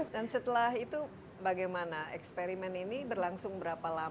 setelah itu bagaimana eksperimen ini berlangsung berapa lama